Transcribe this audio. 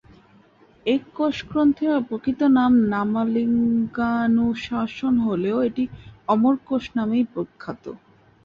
এ কোষগ্রন্থের প্রকৃত নাম ‘নামলিঙ্গানুশাসন’ হলেও এটি অমরকোষ নামেই বিখ্যাত।